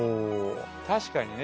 確かにね。